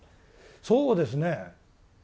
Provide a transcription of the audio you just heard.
そうですね。